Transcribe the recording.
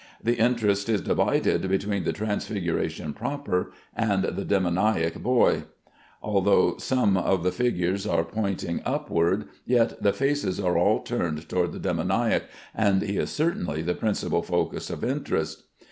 The interest is divided between the Transfiguration proper and the demoniac boy. Although some of the figures are pointing upward, yet the faces are all turned toward the demoniac, and he is certainly the principal focus of interest.